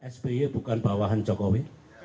sby bukan bawahan jokowi